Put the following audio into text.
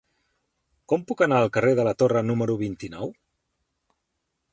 Com puc anar al carrer de la Torre número vint-i-nou?